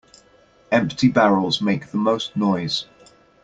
Empty barrels make the most noise.